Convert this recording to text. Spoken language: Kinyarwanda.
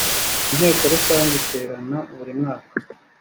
inteko rusange iterana burimwaka.